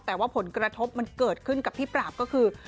แต่ว่าผลกระทบมันเกิดขึ้นกับพี่ปราบก็คือ